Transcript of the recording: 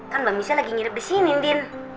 kan mbak michelle lagi ngirep disini